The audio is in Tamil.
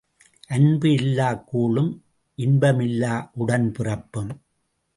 அன்பு இல்லாக் கூழும் இன்பம் இல்லா உடன்பிறப்பும்.